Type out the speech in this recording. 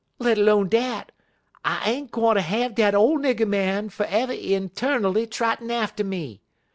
Let 'lone dat, I ain't gwineter have dat ole nigger man f'ever 'n 'ternally trottin' atter me.